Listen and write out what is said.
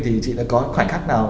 thì chị đã có khoảnh khắc nào